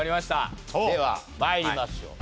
では参りましょう。